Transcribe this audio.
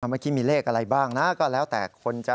เมื่อกี้มีเลขอะไรบ้างนะก็แล้วแต่คนจะ